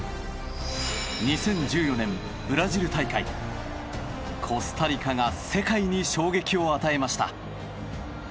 ２０１４年ブラジル大会コスタリカが世界に衝撃を与えました。